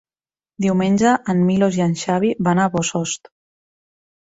Diumenge en Milos i en Xavi van a Bossòst.